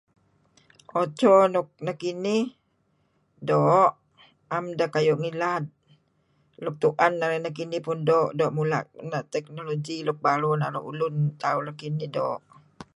Eco nuk nekinih, doo'. 'Em deh kayu' ngilad. Nuk tu'en narih nekinih pun doo'. Doo' mula' teknologi nuk baru naru' ulun tauh nuk kinih doo'.